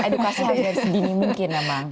edukasi harus dari sedini mungkin memang